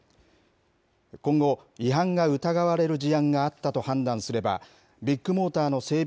今後、違反が疑われる事案があったと判断すれば、ビッグモーターの整備